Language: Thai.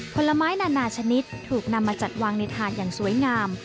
ผลไม้นานาชนิดถูกนำมาจัดวางในถ่านอย่างสวยงาม